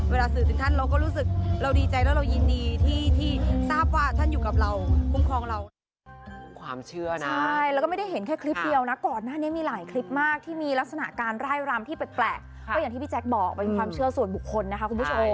สื่อถึงท่านเราก็รู้สึกเราดีใจแล้วเรายินดีที่ทราบว่าท่านอยู่กับเราคุ้มครองเรา